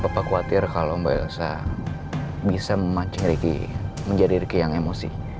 bapak khawatir kalau mbak elsa bisa memancing ricky menjadi ricky yang emosi